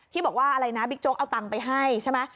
บอกว่าอะไรนะบิ๊กโจ๊กเอาตังค์ไปให้ใช่ไหม